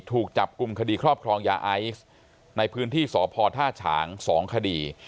ถูกจับกลุ่มคดีครอบครองยาไอซ์ในพื้นที่สพท่าฉาง๒คดี